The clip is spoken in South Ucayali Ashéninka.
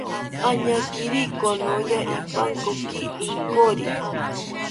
Añakiri konoya ipankoki inkori